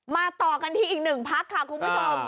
ต่อกันที่อีกหนึ่งพักค่ะคุณผู้ชม